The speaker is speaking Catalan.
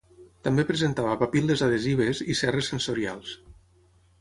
També presentava papil·les adhesives i cerres sensorials.